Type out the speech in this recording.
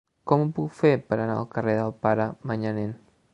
Com ho puc fer per anar al carrer del Pare Manyanet?